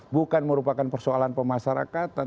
bukan merupakan persoalan pemasarakatan